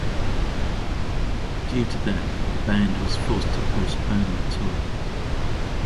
Due to that, the band was forced to postpone the tour.